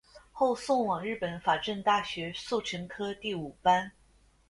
后送往日本法政大学速成科第五班。